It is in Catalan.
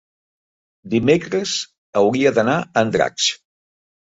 Dimecres hauria d'anar a Andratx.